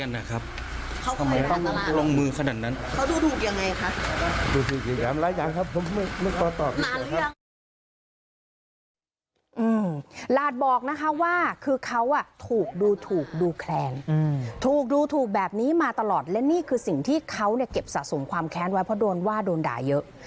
หลาดบอกนะคะว่าคือเขาถูกดูถูกดูแคลนถูกดูถูกแบบนี้มาตลอดและนี่คือสิ่งที่เขาเนี่ยเก็บสะสมความแค้นไว้เพราะโดนว่าโดนด่าเยอะ